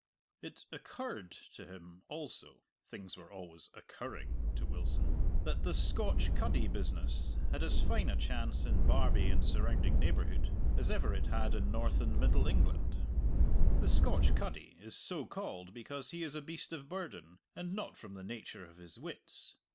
It "occurred" to him also (things were always occurring to Wilson) that the "Scotch cuddy" business had as fine a chance in "Barbie and surrounding neighbourhood" as ever it had in North and Middle England. The "Scotch cuddy" is so called because he is a beast of burden, and not from the nature of his wits.